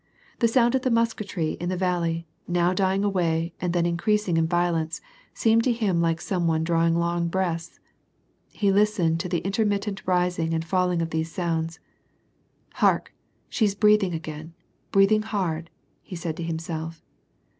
The sound of the musketry in the val ley, now dying away and then increasing in violence, seemed to him like some one drawing long breaths. He listened to the intermittent rising and falling of these sounds. " Hark ! she's breathing again, breathing hard !" he said to himself.